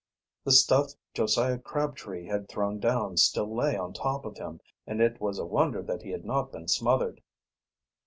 The stuff Josiah Crabtree had thrown down still lay on top, of him, and it was a wonder that he had not been smothered.